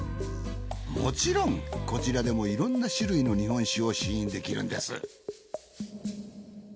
もちろんこちらでもいろんな種類の日本酒を試飲できるんです。